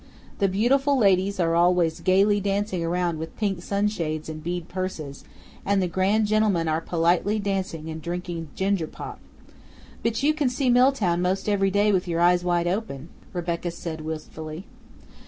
The beautiful ladies are always gayly dancing around with pink sunshades and bead purses, and the grand gentlemen are politely dancing and drinking ginger pop. But you can see Milltown most every day with your eyes wide open," Rebecca said wistfully.